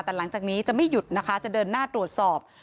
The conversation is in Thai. แต่หลังจากนี้จะไม่หยุดนะคะจะเดินหน้าตรวจสอบ